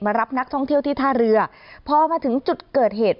รับนักท่องเที่ยวที่ท่าเรือพอมาถึงจุดเกิดเหตุ